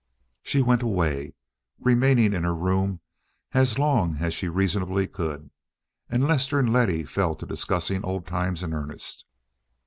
She went away, remaining in her room as long as she reasonably could, and Lester and Letty fell to discussing old times in earnest.